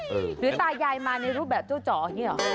อือหรือตายายมาในรูปแบบเจ้าจ๋ออันนี้เหรอ